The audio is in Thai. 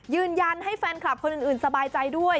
ยืนยันให้แฟนคลับคนอื่นสบายใจด้วย